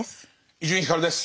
伊集院光です。